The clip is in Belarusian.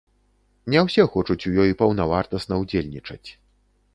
Не ўсе хочуць у ёй паўнавартасна ўдзельнічаць.